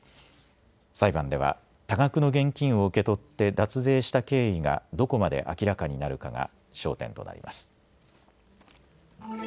裁判では多額の現金を受け取って脱税した経緯がどこまで明らかになるかが焦点となります。